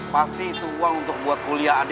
pasti itu uang untuk buat kuliah adik